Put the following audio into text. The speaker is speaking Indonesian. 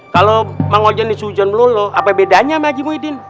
kalo mang ojo disujuan melulu apa bedanya sama hidin